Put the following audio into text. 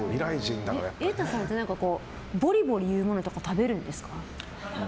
瑛太さんってボリボリいうものって食べるんですか？